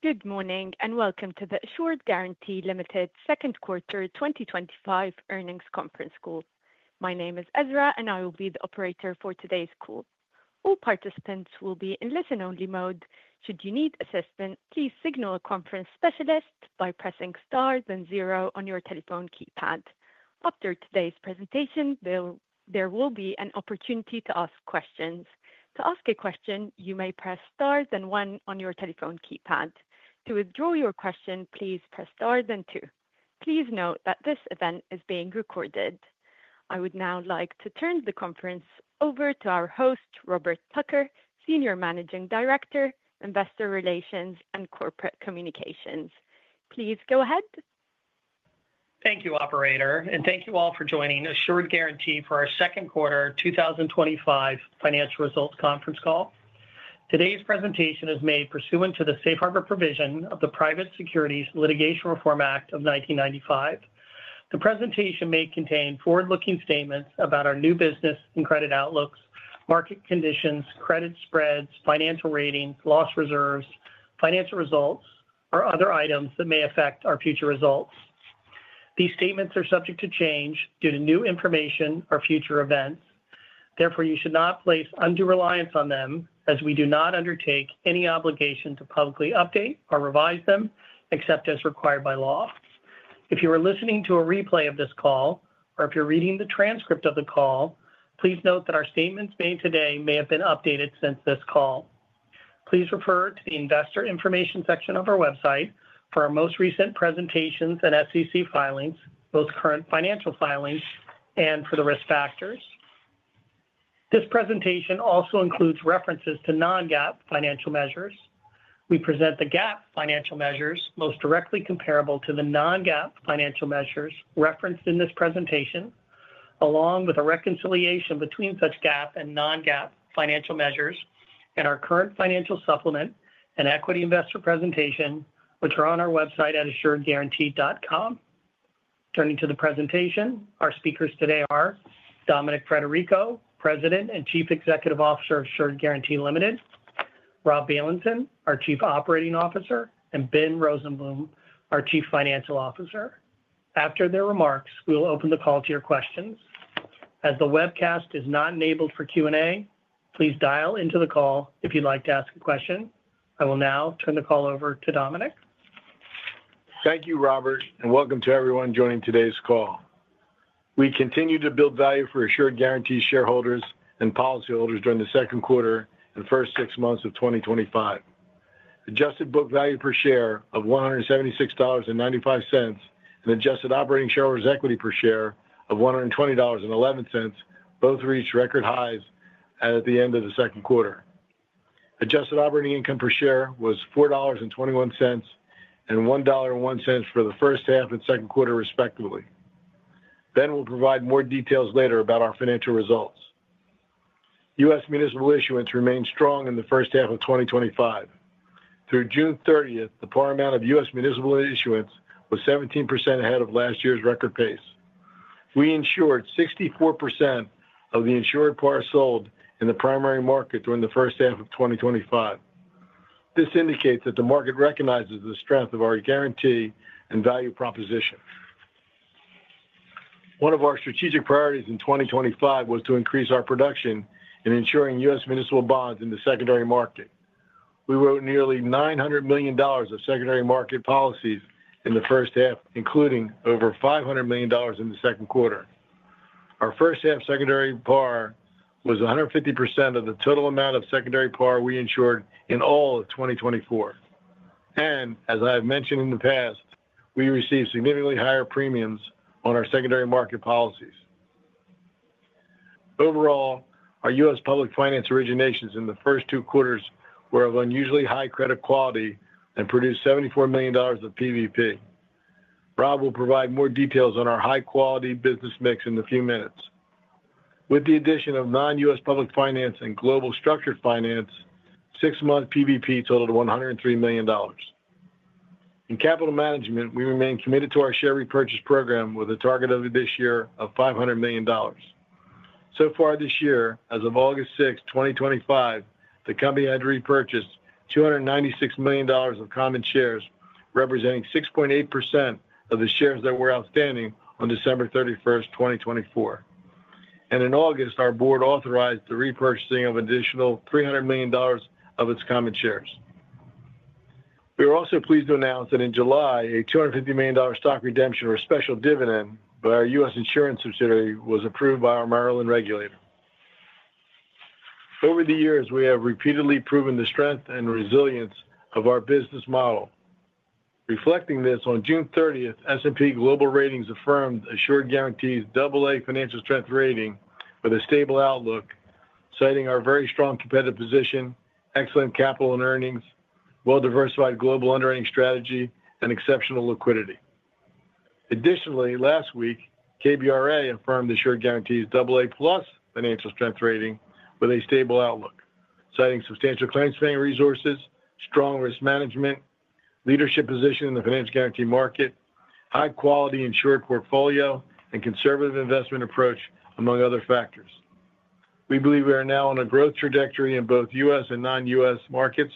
Good morning and welcome to the Assured Guaranty Limited Second Quarter 2025 Earnings Conference call. My name is Ezra and I will be the operator for today's call. All participants will be in listen-only mode. Should you need assistance, please signal a conference specialist by pressing star then zero on your telephone keypad. After today's presentation, there will be an opportunity to ask questions. To ask a question, you may press star then one on your telephone keypad. To withdraw your question, please press star then two. Please note that this event is being recorded. I would now like to turn the conference over to our host, Robert Tucker, Senior Managing Director, Investor Relations and Corporate Communications. Please go ahead. Thank you, Operator, and thank you all for joining Assured Guaranty for our Second Quarter 2025 Financial Results Conference call. Today's presentation is made pursuant to the safe harbor provision of the Private Securities Litigation Reform Act of 1995. The presentation may contain forward-looking statements about our new business and credit outlooks, market conditions, credit spreads, financial ratings, loss reserves, financial results, or other items that may affect our future results. These statements are subject to change due to new information or future events. Therefore, you should not place undue reliance on them, as we do not undertake any obligation to publicly update or revise them except as required by law. If you are listening to a replay of this call or if you're reading the transcript of the call, please note that our statements made today may have been updated since this call. Please refer to the Investor Information section of our website for our most recent presentations and SEC filings, both current financial filings and for the risk factors. This presentation also includes references to non-GAAP financial measures. We present the GAAP financial measures most directly comparable to the non-GAAP financial measures referenced in this presentation, along with a reconciliation between such GAAP and non-GAAP financial measures and our current financial supplement and equity investor presentation, which are on our website at assuredguaranty.com. Turning to the presentation, our speakers today are Dominic Frederico, President and Chief Executive Officer of Assured Guaranty Limited, Rob Bailenson, our Chief Operating Officer, and Ben Rosenblum, our Chief Financial Officer. After their remarks, we will open the call to your questions. As the webcast is not enabled for Q&A, please dial into the call if you'd like to ask a question. I will now turn the call over to Dominic. Thank you, Robert, and welcome to everyone joining today's call. We continue to build value for Assured Guaranty shareholders and policyholders during the second quarter and first six months of 2025. Adjusted Book Value per share of $176.95 and Adjusted Operating Shareholders’ Equity per share of $120.11 both reached record highs at the end of the second quarter. Adjusted Operating Income per share was $4.21 and $1.01 for the first half and second quarter, respectively. Ben will provide more details later about our financial results. U.S. municipal issuance remained strong in the first half of 2025. Through June 30th, the par amount of U.S. municipal issuance was 17% ahead of last year's record pace. We insured 64% of the insured par sold in the primary market during the first half of 2025. This indicates that the market recognizes the strength of our guarantee and value proposition. One of our strategic priorities in 2025 was to increase our production in insuring U.S. municipal bonds in the secondary market. We wrote nearly $900 million of secondary market policies in the first half, including over $500 million in the second quarter. Our first half secondary par was 150% of the total amount of secondary par we insured in all of 2024. As I have mentioned in the past, we received significantly higher premiums on our secondary market policies. Overall, our U.S. public finance originations in the first two quarters were of unusually high credit quality and produced $74 million of PVP. Rob will provide more details on our high-quality business mix in a few minutes. With the addition of non-U.S. public finance and global structured finance, six months' PVP totaled $103 million. In capital management, we remain committed to our share repurchase program with a target over this year of $500 million. So far this year, as of August 6th, 2025, the company had repurchased $296 million of common shares, representing 6.8% of the shares that were outstanding on December 31, 2024. In August, our board authorized the repurchasing of an additional $300 million of its common shares. We are also pleased to announce that in July, a $250 million stock redemption or special dividend by our U.S. insurance subsidiary was approved by our Maryland regulator. Over the years, we have repeatedly proven the strength and resilience of our business model. Reflecting this, on June 30th, S&P Global Ratings affirmed Assured Guaranty's AA financial strength rating with a stable outlook, citing our very strong competitive position, excellent capital and earnings, well-diversified global underwriting strategy, and exceptional liquidity. Additionally, last week, KBRA affirmed Assured Guaranty's AA+ financial strength rating with a stable outlook, citing substantial time spent on resources, strong risk management, leadership position in the financial guarantee market, high-quality insured portfolio, and conservative investment approach, among other factors. We believe we are now on a growth trajectory in both U.S. and non-U.S. markets.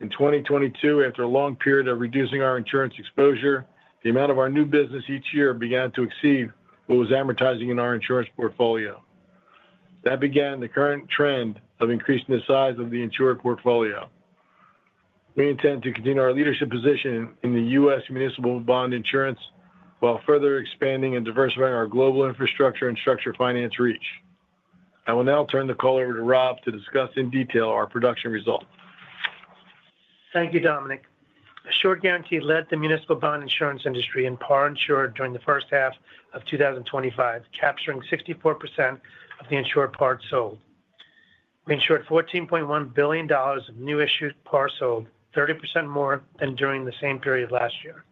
In 2022, after a long period of reducing our insurance exposure, the amount of our new business each year began to exceed what was amortized in our insurance portfolio. That began the current trend of increasing the size of the insured portfolio. We intend to continue our leadership position in the U.S. municipal bond insurance while further expanding and diversifying our global infrastructure and structured finance reach. I will now turn the call over to Rob to discuss in detail our production results. Thank you, Dominic. Assured Guaranty led the municipal bond insurance industry in par insured during the first half of 2025, capturing 64% of the insured par sold. We insured $14.1 billion of new issued par sold, 30% more than during the same period last year.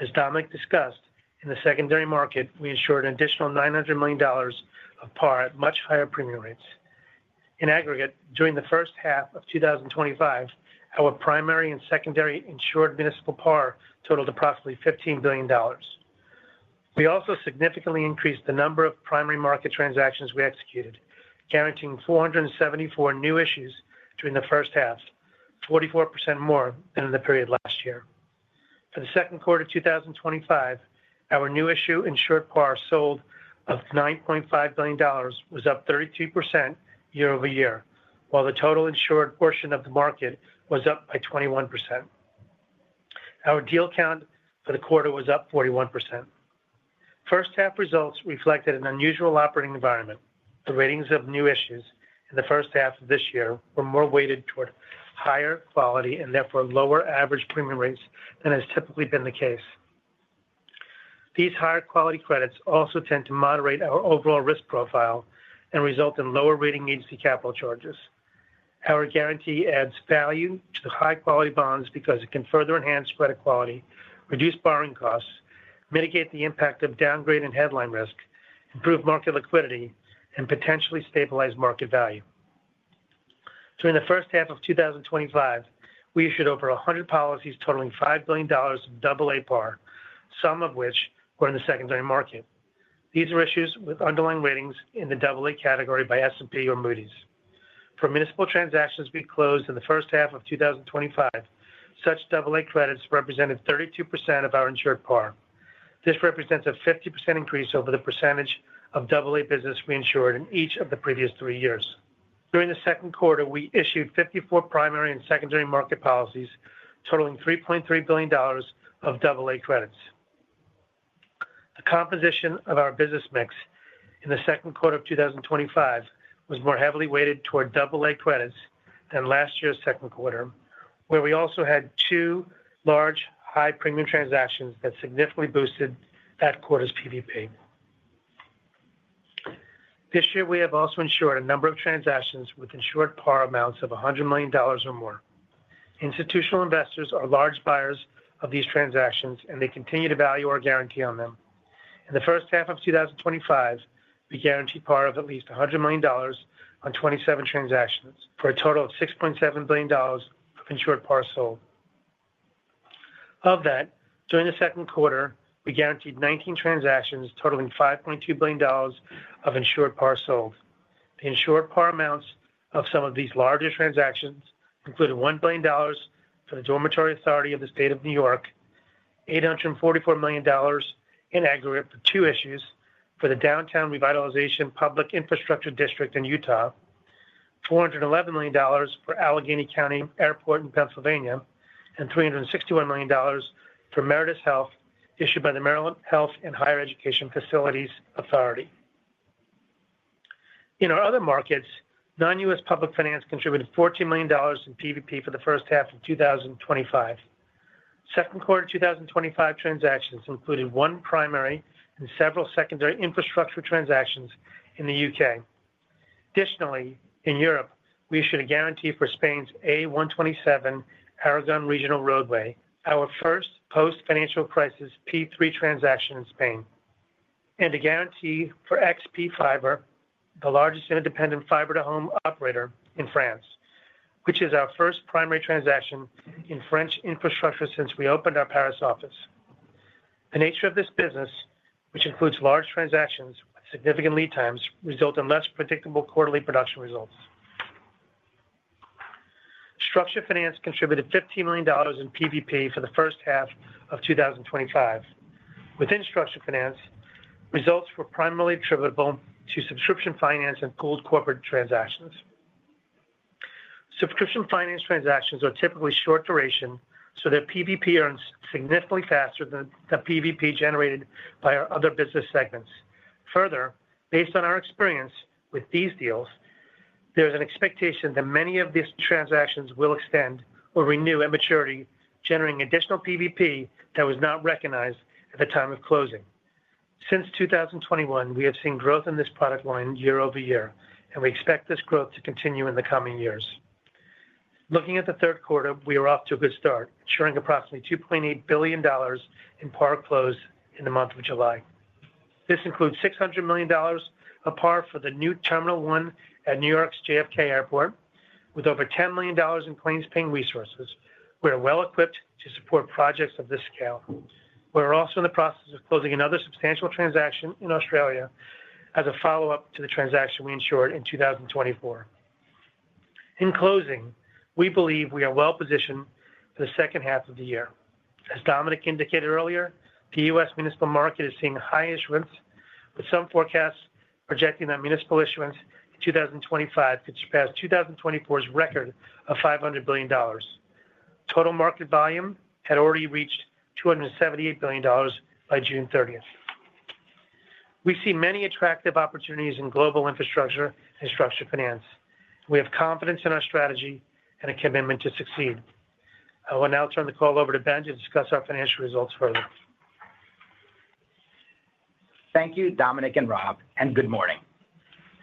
As Dominic discussed, in the secondary market, we insured an additional $900 million of par at much higher premium rates. In aggregate, during the first half of 2025, our primary and secondary insured municipal par totaled approximately $15 billion. We also significantly increased the number of primary market transactions we executed, guaranteeing 474 new issues during the first half, 44% more than in the period last year. For the second quarter of 2025, our new issue insured par sold of $9.5 billion was up 32% year-over-year, while the total insured portion of the market was up by 21%. Our deal count for the quarter was up 41%. First half results reflected an unusual operating environment. The ratings of new issues in the first half of this year were more weighted toward higher quality and therefore lower average premium rates than has typically been the case. These higher quality credits also tend to moderate our overall risk profile and result in lower rating agency capital charges. Our guarantee adds value to the high-quality bonds because it can further enhance credit quality, reduce borrowing costs, mitigate the impact of downgrade and headline risk, improve market liquidity, and potentially stabilize market value. During the first half of 2025, we issued over 100 policies totaling $5 billion of AA PAR, some of which were in the secondary market. These are issues with underlying ratings in the AA category by S&P Global Ratings or Moody's. For municipal transactions we closed in the first half of 2025, such AA credits represented 32% of our insured par. This represents a 50% increase over the percentage of AA business we insured in each of the previous three years. During the second quarter, we issued 54 primary and secondary market policies totaling $3.3 billion of AA credits. The composition of our business mix in the second quarter of 2025 was more heavily weighted toward AA credits than last year's second quarter, where we also had two large high-premium transactions that significantly boosted that quarter's PVP. This year, we have also insured a number of transactions with insured par amounts of $100 million or more. Institutional investors are large buyers of these transactions, and they continue to value our guarantee on them. In the first half of 2025, we guaranteed par of at least $100 million on 27 transactions for a total of $6.7 billion of insured par sold. Of that, during the second quarter, we guaranteed 19 transactions totaling $5.2 billion of insured par sold. The insured par amounts of some of these larger transactions included $1 billion for the Dormitory Authority of the State of New York, $844 million in aggregate for two issues for the Downtown Revitalization Public Infrastructure District in Utah, $411 million for Allegheny County Airport in Pennsylvania, and $361 million for Meritus Health issued by the Maryland Health and Higher Education Facilities Authority. In our other markets, non-U.S. public finance contributed $14 million in PVP for the first half of 2025. Second quarter 2025 transactions included one primary and several secondary infrastructure transactions in the UK. Additionally, in Europe, we issued a guarantee for Spain's A127 Aragon Regional Roadway, our first post-financial crisis P3 transaction in Spain, and a guarantee for XP Fiber, the largest independent fiber-to-home operator in France, which is our first primary transaction in French infrastructure since we opened our Paris office. The nature of this business, which includes large transactions with significant lead times, results in less predictable quarterly production results. Structured finance contributed $15 million in PVP for the first half of 2025. Within structured finance, results were primarily attributable to subscription finance and gold corporate transactions. Subscription finance transactions are typically short duration, so their PVP earns significantly faster than the PVP generated by our other business segments. Further, based on our experience with these deals, there is an expectation that many of these transactions will extend or renew at maturity, generating additional PVP that was not recognized at the time of closing. Since 2021, we have seen growth in this product line year-over-year, and we expect this growth to continue in the coming years. Looking at the third quarter, we are off to a good start, insuring approximately $2.8 billion in par closed in the month of July. This includes $600 million of par for the new Terminal 1 at New York's JFK Airport, with over $10 million in claims paying resources. We are well equipped to support projects of this scale. We are also in the process of closing another substantial transaction in Australia as a follow-up to the transaction we insured in 2024. In closing, we believe we are well positioned for the second half of the year. As Dominic indicated earlier, the U.S. municipal market is seeing high issuance, with some forecasts projecting that municipal issuance in 2025 could surpass 2024's record of $500 billion. Total market volume had already reached $278 billion by June 30th. We see many attractive opportunities in global infrastructure and structured finance. We have confidence in our strategy and a commitment to succeed. I will now turn the call over to Ben to discuss our financial results further. Thank you, Dominic and Rob, and good morning.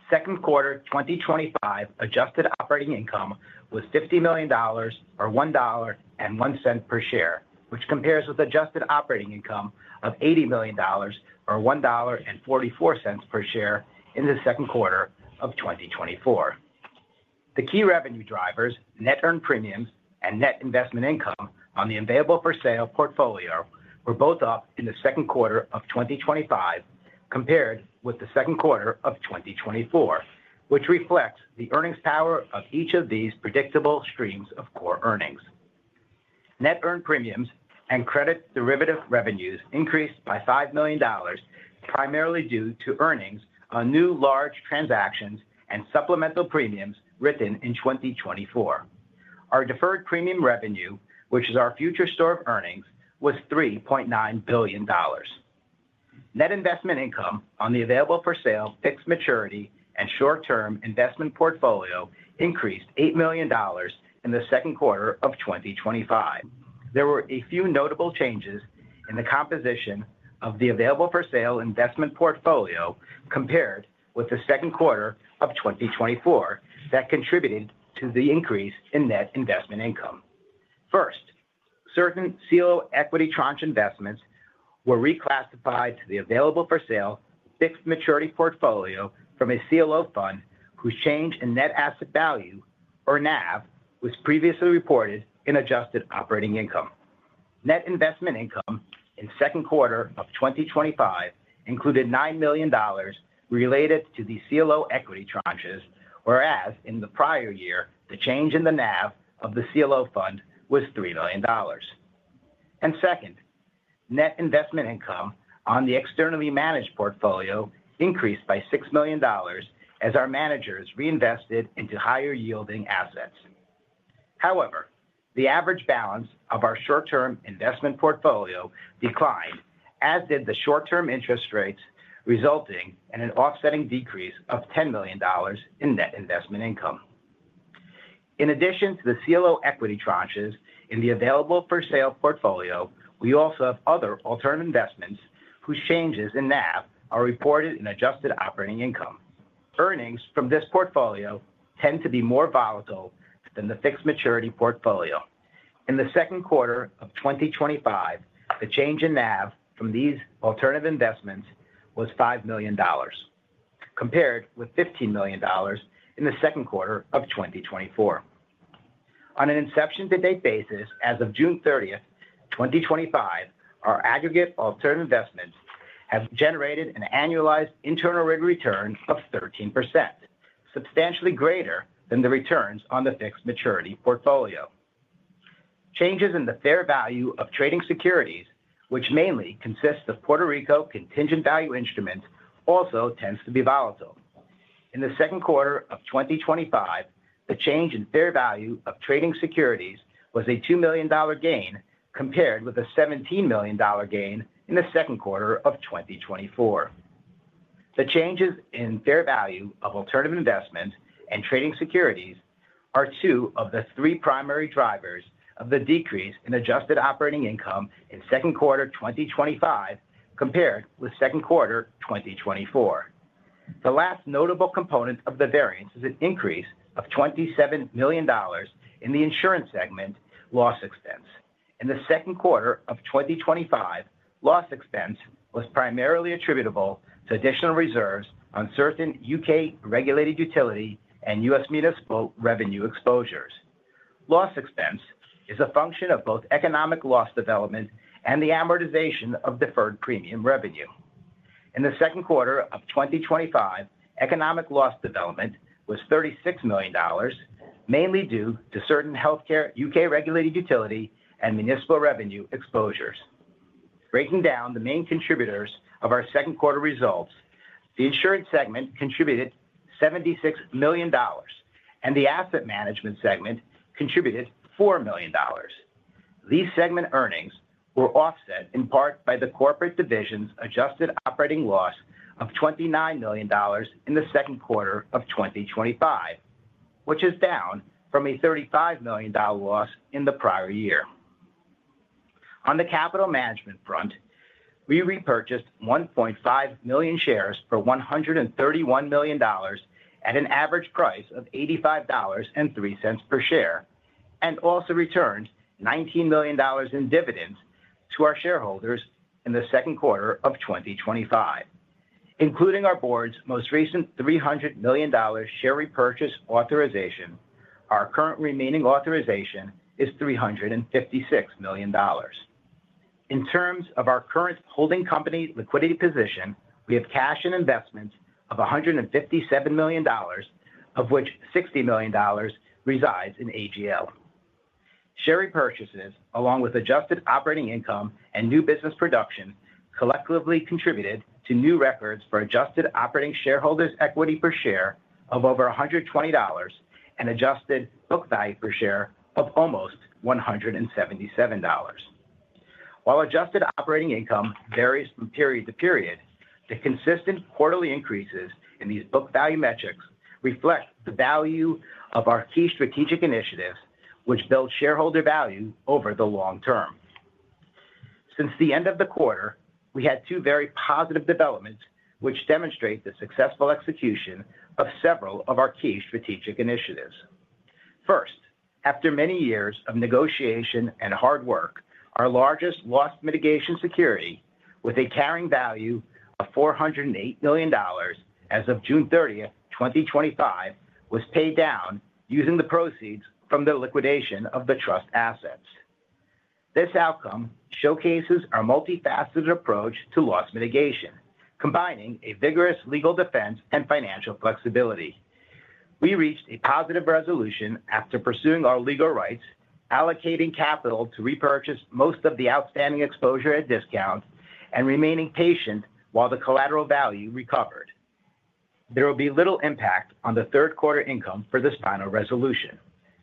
Second quarter 2025 adjusted operating income was $50 million or $1.01 per share, which compares with adjusted operating income of $80 million or $1.44 per share in the second quarter of 2024. The key revenue drivers, net earned premiums, and net investment income on the available for sale portfolio were both up in the second quarter of 2025 compared with the second quarter of 2024, which reflects the earnings power of each of these predictable streams of core earnings. Net earned premiums and credit derivative revenues increased by $5 million, primarily due to earnings on new large transactions and supplemental premiums written in 2024. Our deferred premium revenue, which is our future store of earnings, was $3.9 billion. Net investment income on the available for sale fixed maturity and short-term investment portfolio increased $8 million in the second quarter of 2025. There were a few notable changes in the composition of the available for sale investment portfolio compared with the second quarter of 2024 that contributed to the increase in net investment income. First, certain CLO equity tranche investments were reclassified to the available for sale fixed maturity portfolio from a CLO fund whose change in net asset value, or NAV, was previously reported in adjusted operating income. Net investment income in the second quarter of 2025 included $9 million related to the CLO equity tranches, whereas in the prior year, the change in the NAV of the CLO fund was $3 million. Second, net investment income on the externally managed portfolio increased by $6 million as our managers reinvested into higher yielding assets. However, the average balance of our short-term investment portfolio declined, as did the short-term interest rates, resulting in an offsetting decrease of $10 million in net investment income. In addition to the CLO equity tranches in the available for sale portfolio, we also have other alternative investments whose changes in NAV are reported in adjusted operating income. Earnings from this portfolio tend to be more volatile than the fixed maturity portfolio. In the second quarter of 2025, the change in NAV from these alternative investments was $5 million, compared with $15 million in the second quarter of 2024. On an inception-to-date basis, as of June 30th, 2025, our aggregate alternative investments have generated an annualized internal rate return of 13%, substantially greater than the returns on the fixed maturity portfolio. Changes in the fair value of trading securities, which mainly consist of Puerto Rico contingent value instruments, also tend to be volatile. In the second quarter of 2025, the change in fair value of trading securities was a $2 million gain, compared with a $17 million gain in the second quarter of 2024. The changes in fair value of alternative investments and trading securities are two of the three primary drivers of the decrease in adjusted operating income in second quarter 2025, compared with second quarter 2024. The last notable component of the variance is an increase of $27 million in the insurance segment loss expense. In the second quarter of 2025, loss expense was primarily attributable to additional reserves on certain U.K. regulated utility and U.S. municipal revenue exposures. Loss expense is a function of both economic loss development and the amortization of deferred premium revenue. In the second quarter of 2025, economic loss development was $36 million, mainly due to certain healthcare U.K. regulated utility and municipal revenue exposures. Breaking down the main contributors of our second quarter results, the insurance segment contributed $76 million, and the asset management segment contributed $4 million. These segment earnings were offset in part by the corporate division's adjusted operating loss of $29 million in the second quarter of 2025, which is down from a $35 million loss in the prior year. On the capital management front, we repurchased 1.5 million shares for $131 million at an average price of $85.03 per share and also returned $19 million in dividends to our shareholders in the second quarter of 2025. Including our board's most recent $300 million share repurchase authorization, our current remaining authorization is $356 million. In terms of our current holding company liquidity position, we have cash and investments of $157 million, of which $60 million resides in AGL. Share repurchases, along with adjusted operating income and new business production, collectively contributed to new records for adjusted operating shareholders' equity per share of over $120 and adjusted book value per share of almost $177. While adjusted operating income varies from period to period, the consistent quarterly increases in these book value metrics reflect the value of our key strategic initiatives, which build shareholder value over the long term. Since the end of the quarter, we had two very positive developments, which demonstrate the successful execution of several of our key strategic initiatives. First, after many years of negotiation and hard work, our largest loss mitigation security, with a carrying value of $408 million as of June 30th, 2025, was paid down using the proceeds from the liquidation of the trust assets. This outcome showcases our multifaceted approach to loss mitigation, combining a vigorous legal defense and financial flexibility. We reached a positive resolution after pursuing our legal rights, allocating capital to repurchase most of the outstanding exposure at discount, and remaining patient while the collateral value recovered. There will be little impact on the third quarter income for this final resolution.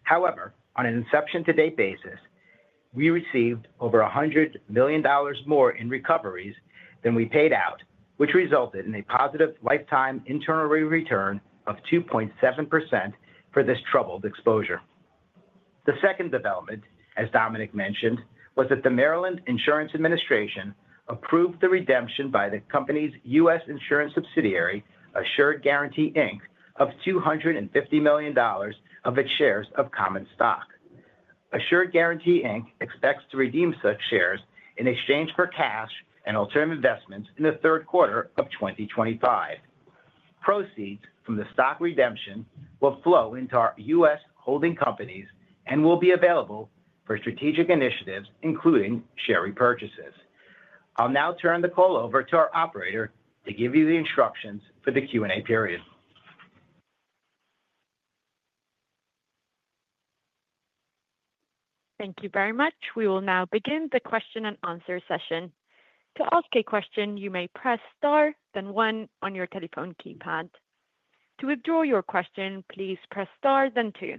However, on an inception-to-date basis, we received over $100 million more in recoveries than we paid out, which resulted in a positive lifetime internal rate return of 2.7% for this troubled exposure. The second development, as Dominic mentioned, was that the Maryland Insurance Administration approved the redemption by the company's U.S. insurance subsidiary, Assured Guaranty Inc., of $250 million of its shares of common stock. Assured Guaranty Inc. expects to redeem such shares in exchange for cash and alternative investments in the third quarter of 2025. Proceeds from the stock redemption will flow into our U.S. holding companies and will be available for strategic initiatives, including share repurchases. I'll now turn the call over to our Operator to give you the instructions for the Q&A period. Thank you very much. We will now begin the question-and-answer session. To ask a question, you may press star then one on your telephone keypad. To withdraw your question, please press star then two.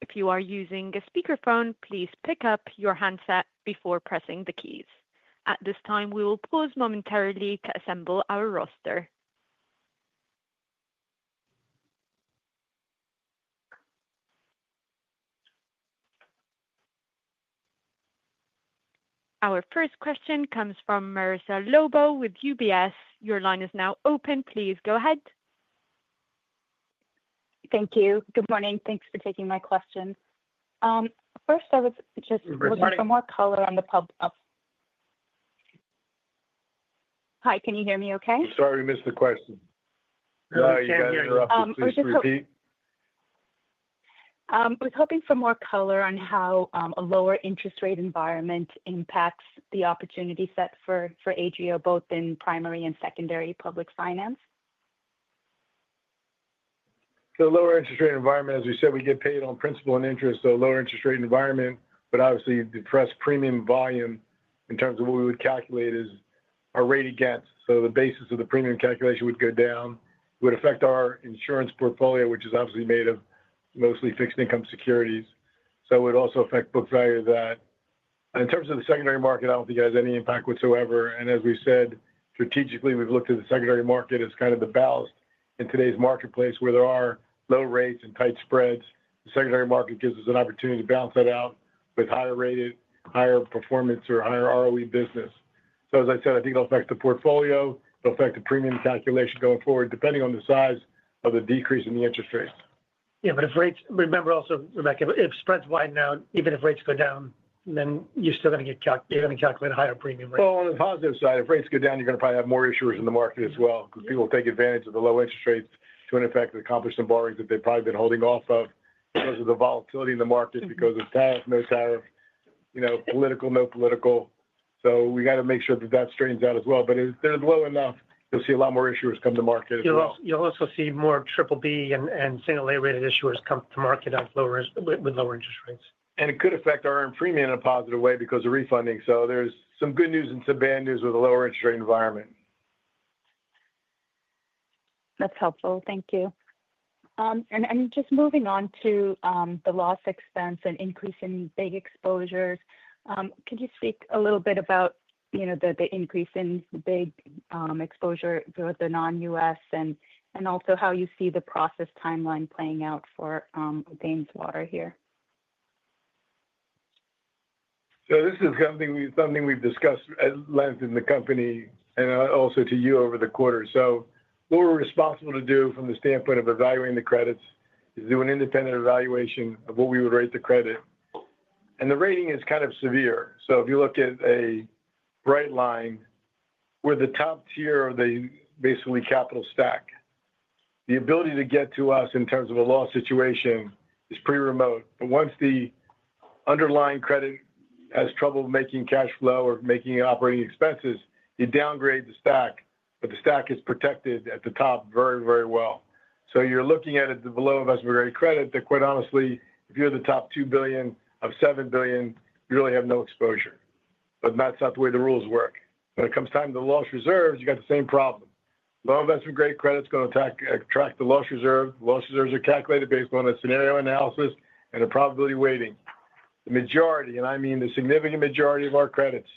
If you are using a speakerphone, please pick up your handset before pressing the keys. At this time, we will pause momentarily to assemble our roster. Our first question comes from Marissa Lobo with UBS. Your line is now open. Please go ahead. Thank you. Good morning. Thanks for taking my question. First, I would just look for more color on the—can you hear me okay? Sorry, I missed the question. Sorry to interrupt. I was hoping for more color on how a lower interest rate environment impacts the opportunity set for Adrio, both in primary and secondary public finance. The lower interest rate environment, as we said, we get paid on principal and interest, so a lower interest rate environment would obviously depress premium volume in terms of what we would calculate as our rate against. The basis of the premium calculation would go down, would affect our insurance portfolio, which is obviously made of mostly fixed income securities. It would also affect book value of that. In terms of the secondary market, I don't think it has any impact whatsoever. As we said, strategically, we've looked at the secondary market as kind of the balance in today's marketplace where there are low rates and tight spreads. The secondary market gives us an opportunity to balance that out with higher rated, higher performance, or higher ROE business. I think it'll affect the portfolio, it'll affect the premium calculation going forward, depending on the size of the decrease in the interest rates. Yeah, if rates, remember also, Marissa, if spreads widen out, even if rates go down, you're still going to get calculated a higher premium. On the positive side, if rates go down, you're going to probably have more issuers in the market as well, because people will take advantage of the low interest rates to, in effect, accomplish some borrowings that they've probably been holding off of because of the volatility in the markets, because it's tariff, no tariff, you know, political, no political. We got to make sure that that strains out as well. If they're low enough, you'll see a lot more issuers come to market as well. You'll also see more BBB and single A rated issuers come to market with lower interest rates. It could affect our earned premium in a positive way because of refunding. There is some good news and some bad news with a lower interest rate environment. That's helpful. Thank you. Just moving on to the loss expense and increase in big exposures, could you speak a little bit about the increase in the big exposure throughout the non-U.S. and also how you see the process timeline playing out for Thames Water here? This is something we've discussed at length in the company and also to you over the quarter. What we're responsible to do from the standpoint of evaluating the credits is to do an independent evaluation of what we would rate the credit. The rating is kind of severe. If you look at a bright line where the top tier of the basically capital stack, the ability to get to us in terms of a loss situation is pretty remote. Once the underlying credit has trouble making cash flow or making operating expenses, you downgrade the stack, but the stack is protected at the top very, very well. You're looking at a below investment-grade credit that, quite honestly, if you're the top $2 billion of $7 billion, you really have no exposure. That's not the way the rules work. When it comes time to loss reserves, you've got the same problem. Low investment-grade credit is going to attract the loss reserve. Loss reserves are calculated based on a scenario analysis and a probability weighting. The majority, and I mean the significant majority of our credits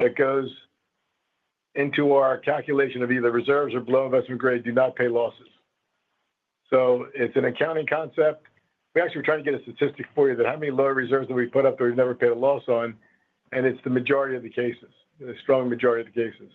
that goes into our calculation of either reserves or below investment grade, do not pay losses. It's an accounting concept. We actually were trying to get a statistic for you that how many lower reserves that we put up that we've never paid a loss on, and it's the majority of the cases, the strong majority of the cases.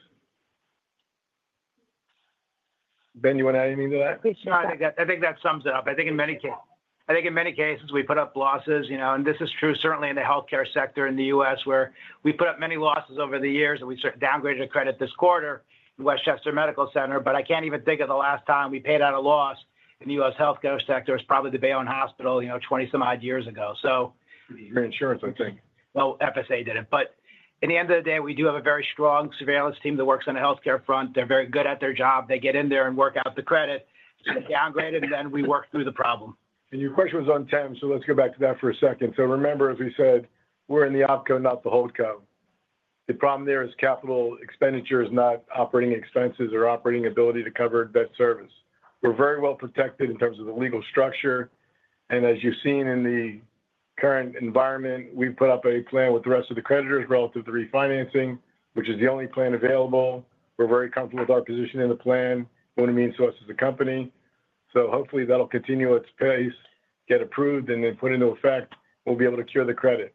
Ben, you want to add anything to that? I think that sums it up. I think in many cases we put up losses, you know, and this is true certainly in the healthcare sector in the U.S. where we put up many losses over the years and we downgraded a credit this quarter in Westchester Medical Center. I can't even think of the last time we paid out a loss in the U.S. healthcare sector. It was probably the Bayonne Hospital, you know, 20 some odd years ago. It was your insurance, I think. FSA did it. At the end of the day, we do have a very strong surveillance team that works on the healthcare front. They're very good at their job. They get in there and work out the credit. It's downgraded, and then we work through the problem. Your question was on time, so let's go back to that for a second. Remember, as we said, we're in the opco, not the holdco. The problem there is capital expenditures, not operating expenses or operating ability to cover that service. We're very well protected in terms of the legal structure. As you've seen in the current environment, we put up a plan with the rest of the creditors relative to refinancing, which is the only plan available. We're very comfortable with our position in the plan. We're the main source of the company. Hopefully that'll continue its pace, get approved, and then put into effect. We'll be able to cure the credit.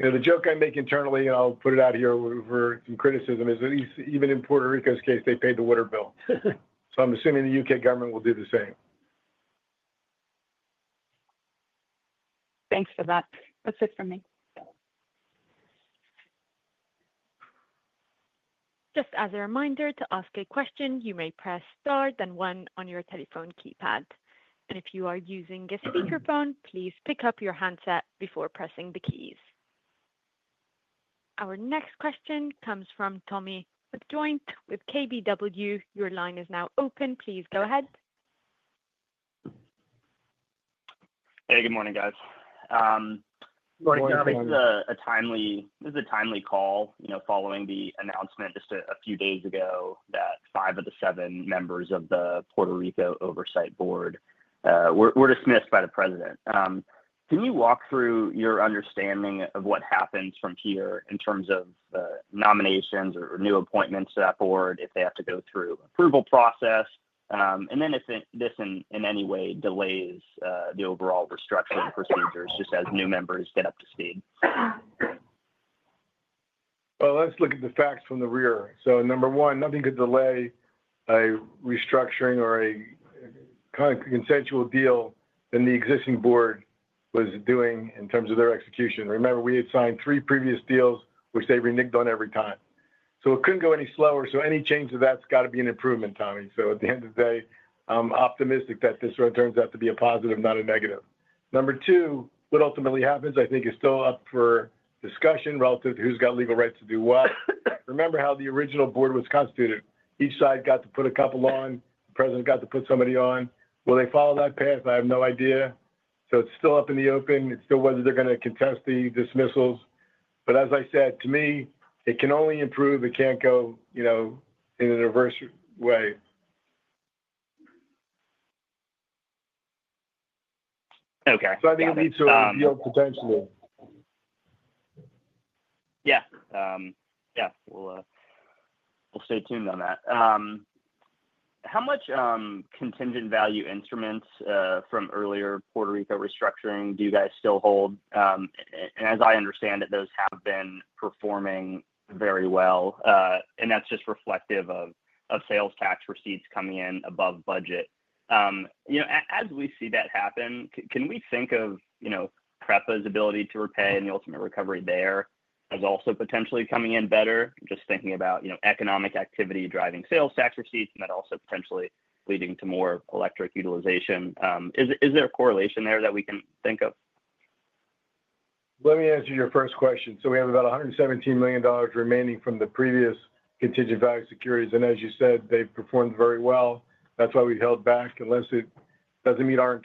The joke I make internally, and I'll put it out here for some criticism, is that even in Puerto Rico's case, they paid the water bill. I'm assuming the UK government will do the same. Thanks for that. That's it for me. Just as a reminder, to ask a question, you may press star then one on your telephone keypad. If you are using a speakerphone, please pick up your handset before pressing the keys. Our next question comes from Tommy McJoynt with KBW. Your line is now open. Please go ahead. Hey, good morning, guys. Morning, Tommy. This is a timely call, following the announcement just a few days ago that five of the seven members of the Puerto Rico Oversight Board were dismissed by the President. Can you walk through your understanding of what happens from here in terms of the nominations or new appointments to that board, if they have to go through an approval process, and if this in any way delays the overall restructuring procedures just as new members get up to speed? Let's look at the facts from the rear. Number one, nothing could delay a restructuring or a kind of consensual deal more than the existing board was doing in terms of their execution. Remember, we had signed three previous deals, which they reneged on every time. It couldn't go any slower. Any change to that has got to be an improvement, Tommy. At the end of the day, I'm optimistic that this one turns out to be a positive, not a negative. Number two, what ultimately happens, I think, is still up for discussion relative to who's got legal rights to do what. Remember how the original board was constituted? Each side got to put a couple on. The president got to put somebody on. Will they follow that path? I have no idea. It's still up in the open. It's still whether they're going to contest the dismissals. As I said, to me, it can only improve. It can't go, you know, in an adverse way. Okay. I think it leads to a big deal potentially. Yeah, we'll stay tuned on that. How much contingent value instruments from earlier Puerto Rico restructuring do you guys still hold? As I understand it, those have been performing very well. That's just reflective of sales tax receipts coming in above budget. As we see that happen, can we think of PREPA's ability to repay and the ultimate recovery there as also potentially coming in better? Just thinking about economic activity driving sales tax receipts and that also potentially leading to more electric utilization. Is there a correlation there that we can think of? Let me answer your first question. We have about $117 million remaining from the previous contingent value securities. As you said, they performed very well. That's why we held back. Unless it doesn't meet our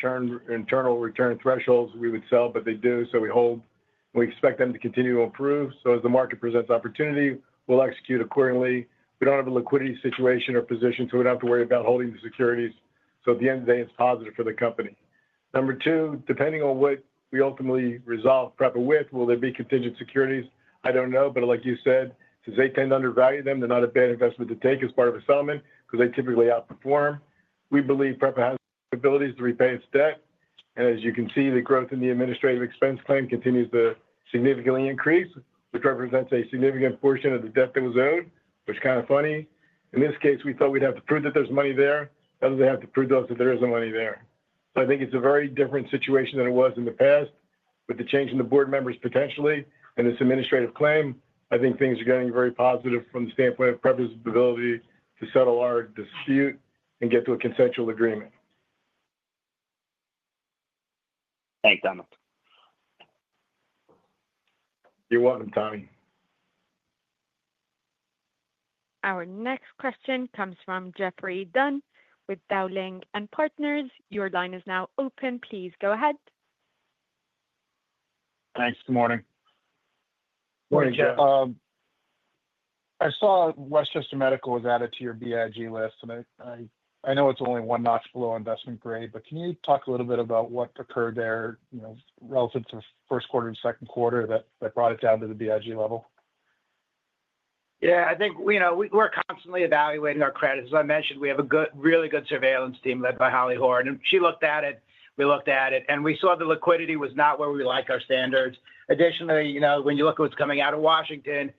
internal return thresholds, we would sell, but they do, so we hold. We expect them to continue to improve. As the market presents opportunity, we'll execute accordingly. We don't have a liquidity situation or position, so we don't have to worry about holding the securities. At the end of the day, it's positive for the company. Number two, depending on what we ultimately resolve PREPA with, will there be contingent securities? I don't know. Like you said, since they tend to undervalue them, they're not a bad investment to take as part of a settlement because they typically outperform. We believe PREPA has the abilities to repay its debt. As you can see, the growth in the administrative expense claim continues to significantly increase, which represents a significant portion of the debt that was owed, which is kind of funny. In this case, we thought we'd have to prove that there's money there. Now they have to prove to us that there isn't money there. I think it's a very different situation than it was in the past. With the change in the board members potentially and this administrative claim, I think things are going very positive from the standpoint of PREPA's ability to settle our dispute and get to a consensual agreement. Thanks, Dom. You're welcome, Tommy. Our next question comes from Geoffrey Dunn with Dowling & Partners. Your line is now open. Please go ahead. Thanks. Good morning. Morning, Geoff. I saw Westchester Medical was added to your BIG list, and I know it's only one notch below investment grade, but can you talk a little bit about what occurred there, you know, relative to the first quarter and second quarter that brought it down to the BIG level? Yeah, I think, you know, we're constantly evaluating our credits. As I mentioned, we have a really good surveillance team led by Holly Horne. She looked at it, we looked at it, and we saw the liquidity was not where we liked our standards. Additionally, you know, when you look at what's coming out of Washington,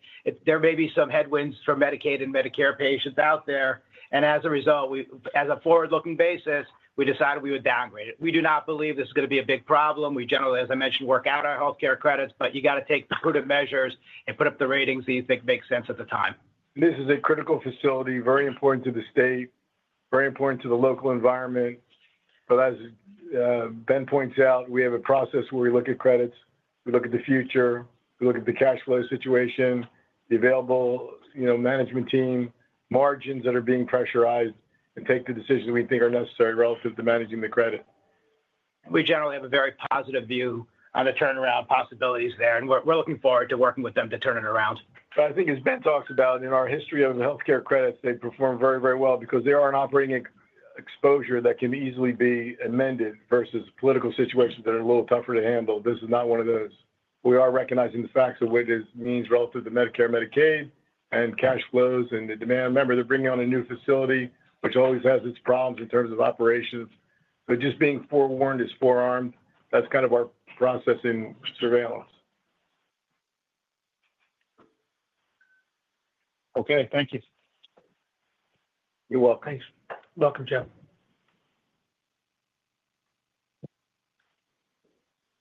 there may be some headwinds for Medicaid and Medicare patients out there. As a result, as a forward-looking basis, we decided we would downgrade it. We do not believe this is going to be a big problem. We generally, as I mentioned, work out our healthcare credits, but you got to take precluded measures and put up the ratings that you think make sense at the time. This is a critical facility, very important to the state, very important to the local environment. As Ben points out, we have a process where we look at credits, we look at the future, we look at the cash flow situation, the available management team, margins that are being pressurized, and take the decisions we think are necessary relative to managing the credit. We generally have a very positive view on the turnaround possibilities there, and we're looking forward to working with them to turn it around. I think, as Ben talks about, in our history of healthcare credits, they perform very, very well because they are an operating exposure that can easily be amended versus political situations that are a little tougher to handle. This is not one of those. We are recognizing the facts of what this means relative to Medicare and Medicaid and cash flows and the demand. Remember, they're bringing on a new facility, which always has its problems in terms of operations. Just being forewarned is forearmed. That's kind of our process in surveillance. Okay, thank you. You're welcome. Thanks. Welcome, Geoff.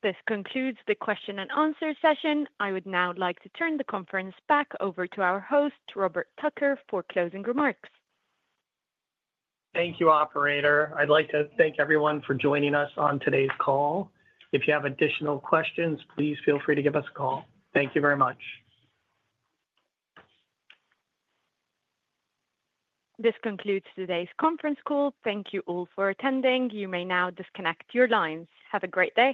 This concludes the question and answer session. I would now like to turn the conference back over to our host, Robert Tucker, for closing remarks. Thank you, Operator. I'd like to thank everyone for joining us on today's call. If you have additional questions, please feel free to give us a call. Thank you very much. This concludes today's conference call. Thank you all for attending. You may now disconnect your lines. Have a great day.